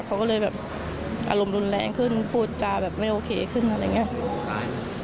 เขาก็เลยแบบอารมณ์รุนแรงขึ้นพูดจาแบบไม่โอเคขึ้นอะไรอย่างนี้